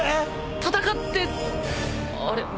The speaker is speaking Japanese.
戦ってあれ？